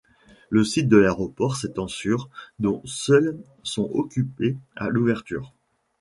Le site de l'aéroport s'étend sur dont seuls sont occupés à l'ouverture.